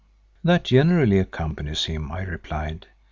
"That generally accompanies him," I replied.